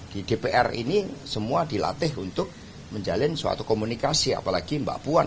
di dpr ini semua dilatih untuk menjalin suatu komunikasi apalagi mbak puan